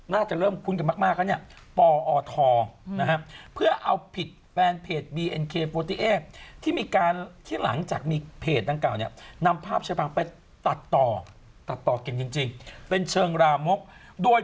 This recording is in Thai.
น่าจะเริ่มคุ้นกันมากแล้วเนี่ย